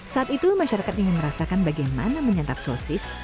saat itu masyarakat ingin merasakan bagaimana menyantap sosis